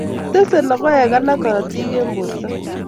tesei logoek alak korotik eng' borto